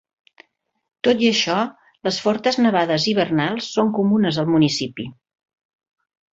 Tot i això, les fortes nevades hivernals són comunes al municipi.